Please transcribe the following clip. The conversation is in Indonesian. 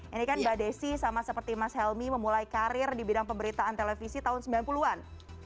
ini kan mbak desi sama seperti mas helmi memulai karir di bidang pemberitaan televisi tahun sembilan puluh an